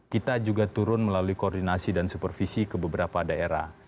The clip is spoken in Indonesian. kita juga turun melalui koordinasi dan supervisi ke beberapa daerah